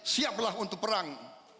siap lah untuk perang